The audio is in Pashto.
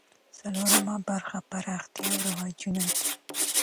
څلورمه برخه پراختیا او رواجول دي.